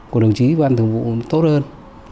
của đồng chí ban thông vụ tốt hơn